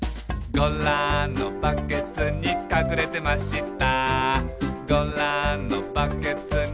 「ゴラのバケツにかくれてました」